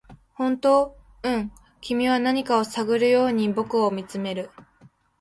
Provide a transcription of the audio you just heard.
「本当？」「うん」君は何かを探るように僕を見つめる